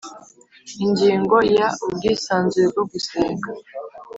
Ingingo ya Ubwisanzure bwo gusenga